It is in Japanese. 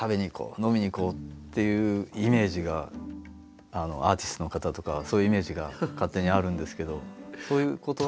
飲みに行こう」っていうイメージがアーティストの方とかそういうイメージが勝手にあるんですけどそういうことは。